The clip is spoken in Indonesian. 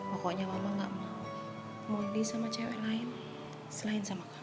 pokoknya mama gak mau mandi sama cewek lain selain sama kamu